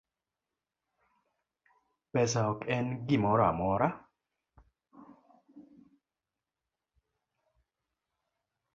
Pesa ok en gimoro amora